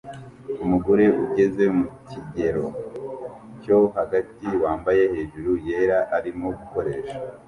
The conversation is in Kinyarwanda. Umugore ugeze mu kigero cyo hagati wambaye hejuru yera arimo gukoresha